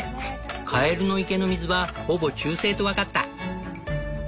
カエルの池の水はほぼ中性と分かった。